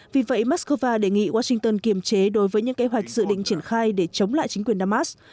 vì vậy moscow đề nghị washington kiềm chế đối với những kế hoạch dự định triển khai để chống lại chính quyền damas